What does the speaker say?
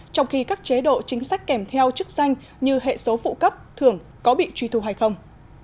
trong khi các chế độ chính sách kèm theo chức danh như hệ số phụ cấp thường có bị truy thu hay không